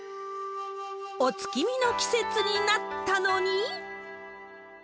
お月見の季節になったのに。